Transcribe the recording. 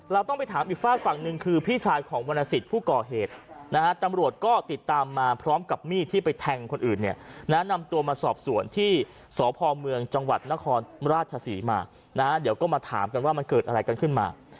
เราต้องไปถามอีกฝากฝั่งหนึ่งคือพี่ชายของวรรณสิทธิ์ผู้ก่อเหตุนะฮะตำรวจก็ติดตามมาพร้อมกับมีดที่ไปแทงคนอื่นเนี่ยนะนำตัวมาสอบสวนที่สพเมืองจังหวัดนครราชศรีมานะเดี๋ยวก็มาถามกันว่ามันเกิดอะไรกันขึ้นมา